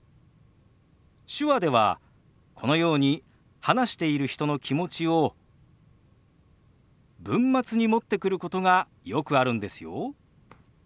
手話ではこのように話している人の気持ちを文末に持ってくることがよくあるんですよ。